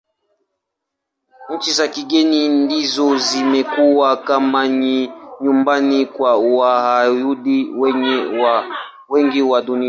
Nchi za kigeni ndizo zimekuwa kama nyumbani kwa Wayahudi wengi wa Dunia.